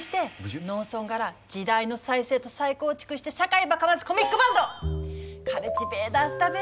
農村がら時代の再生と再構築して社会ばかますコミックバンドカルチベーターズだべ。